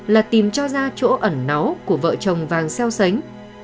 là tìm cho ra chỗ ẩn náu của vợ chồng vàng xeo xánh